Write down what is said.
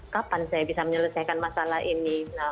kapan saya bisa menyelesaikan masalah ini